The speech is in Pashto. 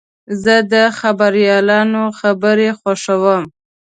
زه د خبریالانو خبرې خوښوم.